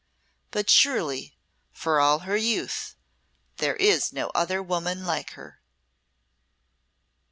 But surely for all her youth there is no other woman like her."